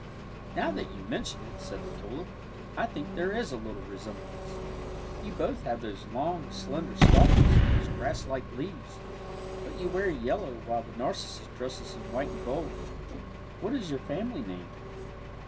'' Now that you mention it," said the tulip, I think there is a little resemblance. You both have those long, slender stalks and those grasslike leaves. But you wear yellow while the narcissus dresses in white and gold. What is your family name?